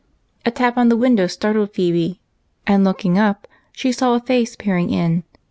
A tap on the window startled Phebe, and, looking up, she saw a face peering in.